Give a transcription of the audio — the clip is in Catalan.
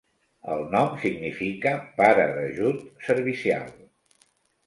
El nom significa 'pare d'ajut', servicial.